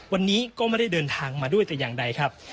วันนี้ก็ไม่ได้เดินทางมาด้วยแต่อย่างใดครับ